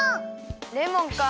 レモンか。